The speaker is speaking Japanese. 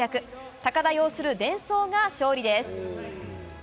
高田擁するデンソーが勝利です。